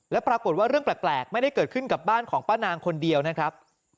แล้วปรากฏว่าเรื่องแปลกไม่ได้เกิดขึ้นกับบ้านของป้านางคนเดียวนะครับ